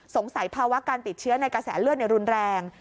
สภาวะการติดเชื้อในกระแสเลือดรุนแรง